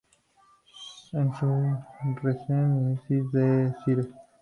En su reseña de "Is This Desire?